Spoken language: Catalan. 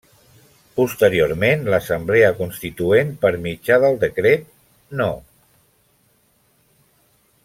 Posteriorment, l'Assemblea Constituent per mitjà del decret No.